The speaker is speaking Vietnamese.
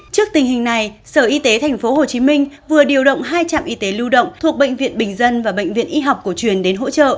trước tình hình này sở y tế tp hcm vừa điều động hai trạm y tế lưu động thuộc bệnh viện bình dân và bệnh viện y học cổ truyền đến hỗ trợ